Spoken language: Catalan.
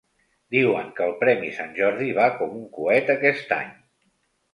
Diuen que el premi Sant Jordi va com un coet, aquest any!